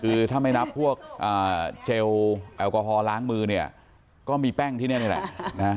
คือถ้าไม่นับพวกเจลแอลกอฮอลล้างมือเนี่ยก็มีแป้งที่นี่นี่แหละ